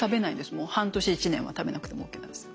もう半年１年は食べなくてもＯＫなんですよ。